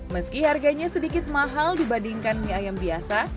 meski harganya sedikit mahal dibandingkan mie ayam biasa